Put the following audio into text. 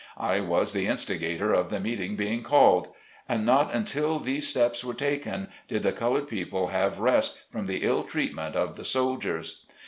I was the instigator of the meeting being called. And not until these steps were taken did the colored people have rest from the ill treatment of the soldiers.